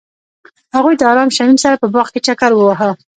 هغوی د آرام شمیم سره په باغ کې چکر وواهه.